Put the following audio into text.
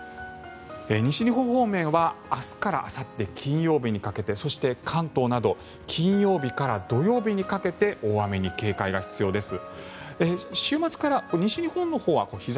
西日本方面は明日からあさって金曜日にかけてそして、関東など金曜日から土曜日にかけて大雨に警戒が必要です。